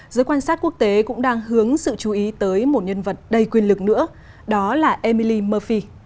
giới quan sát quốc tế cũng đang hướng sự chú ý tới một nhân vật đầy quyền lực nữa đó là emily murphi